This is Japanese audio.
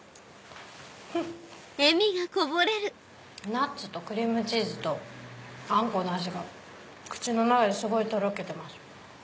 ナッツとクリームチーズとあんこの味が口の中ですごいとろけてます。